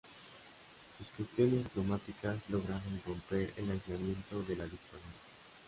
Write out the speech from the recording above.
Sus gestiones diplomáticas lograron romper el aislamiento de la dictadura.